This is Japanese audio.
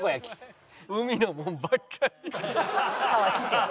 川来て。